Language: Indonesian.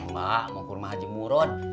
mak mau ke rumah haji murud